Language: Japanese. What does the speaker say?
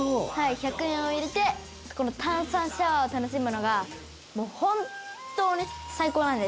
「１００円を入れてこの炭酸シャワーを楽しむのがもう本当に最高なんです」